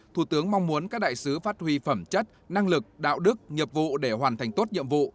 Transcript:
thủ tướng mong muốn các đại sứ phát huy phẩm chất năng lực đạo đức nhiệm vụ để hoàn thành tốt nhiệm vụ